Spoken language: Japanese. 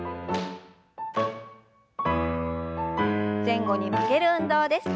前後に曲げる運動です。